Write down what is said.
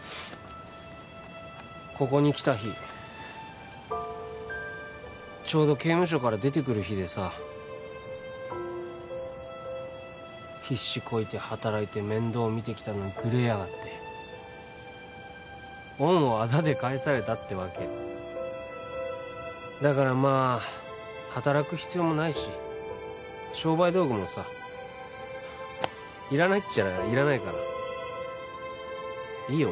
ここに来た日ちょうど刑務所から出てくる日でさ必死こいて働いて面倒見てきたのにグレやがって恩をあだで返されたってわけだからまあ働く必要もないし商売道具もさいらないっちゃいらないからいいよ